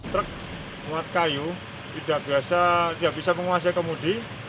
truk muat kayu tidak bisa menguasai kemudi